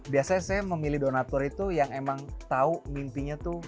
biasanya saya memilih donatur itu yang emang tahu mimpinya tuh